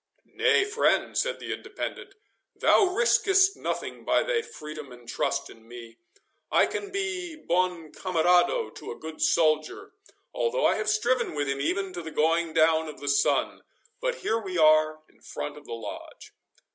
"Nay, friend," said the Independent, "thou riskest nothing by thy freedom and trust in me. I can be bon camarado to a good soldier, although I have striven with him even to the going down of the sun.—But here we are in front of the Lodge."